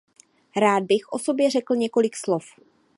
Rád bych o sobě řekl několik slov.